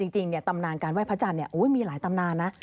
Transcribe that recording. จริงเนี่ยตำนานการไหว้พระจันทร์เนี่ยโอ้ยมีหลายตำนานนะ